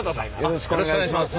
よろしくお願いします。